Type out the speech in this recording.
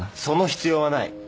その必要はない。